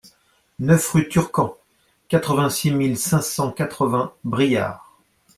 neuf rue Turquand, quatre-vingt-six mille cinq cent quatre-vingts Biard